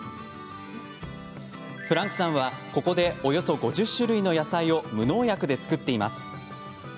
フランクさんはここで、およそ５０種類の野菜を無農薬で作っています。